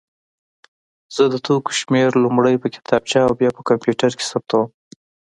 زه د توکو شمېر لومړی په کتابچه او بیا په کمپیوټر کې ثبتوم.